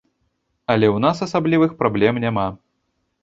Але ў нас асаблівых праблем няма.